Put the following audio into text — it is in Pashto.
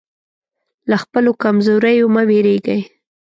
له خپلو کمزوریو مه وېرېږئ.